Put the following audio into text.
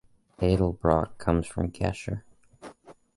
Edelbrock comes from Gescher.